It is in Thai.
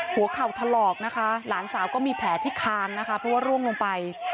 หัวเข่าถลอกนะคะหลานสาวก็มีแผลที่คางนะคะเพราะว่าร่วงลงไป